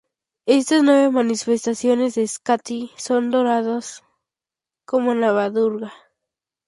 Estas nueve manifestaciones de Shakti, son adoradas como "Nava-Durga".